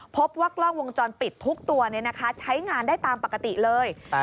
พบว่ากล้องวงจรปิดทุกตัวใช้งานได้ตามปกติเลย